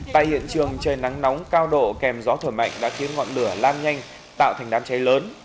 tại hiện trường trời nắng nóng cao độ kèm gió thổi mạnh đã khiến ngọn lửa lan nhanh tạo thành đám cháy lớn